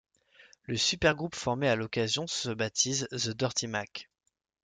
Le supergroupe formé à l’occasion se baptise The Dirty Mac.